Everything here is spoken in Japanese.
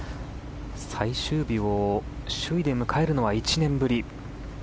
最終日を首位で迎えるのは１年ぶり。